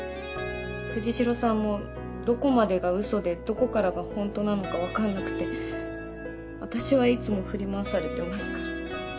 藤代さんもどこまでがウソでどこからがホントなのかわかんなくて私はいつも振り回されてますから。